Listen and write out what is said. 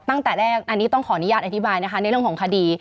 ตั้งแต่แรกอันนี้ต้องขออนุญาตอธิบายนะคะในเรื่องของคดี